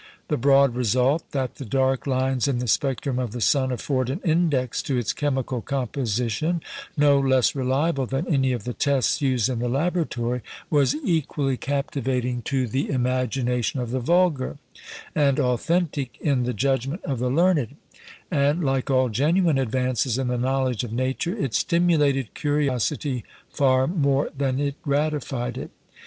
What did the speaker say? The broad result, that the dark lines in the spectrum of the sun afford an index to its chemical composition no less reliable than any of the tests used in the laboratory, was equally captivating to the imagination of the vulgar, and authentic in the judgment of the learned; and, like all genuine advances in the knowledge of Nature, it stimulated curiosity far more than it gratified it.